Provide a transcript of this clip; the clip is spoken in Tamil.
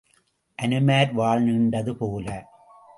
அனுமார் வால் நீண்டது போல.